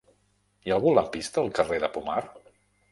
Hi ha algun lampista al carrer de Pomar?